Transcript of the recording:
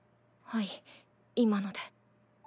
はい今ので。